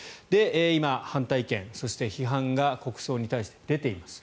今、反対意見、そして批判が国葬に対して出ています。